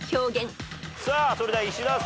さあそれでは石田さん。